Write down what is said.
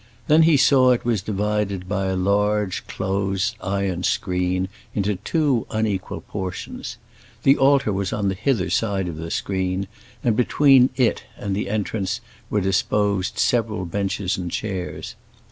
Then he saw it was divided by a large close iron screen into two unequal portions. The altar was on the hither side of the screen, and between it and the entrance were disposed several benches and chairs.